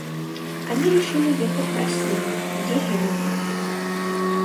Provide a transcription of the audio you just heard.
Они решили ехать в Россию, в деревню.